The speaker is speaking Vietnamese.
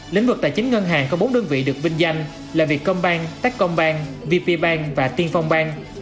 lĩnh vực tài chính ngân hàng có bốn đơn vị được vinh danh là vietcombank techcombank vpbank và tiên phong bank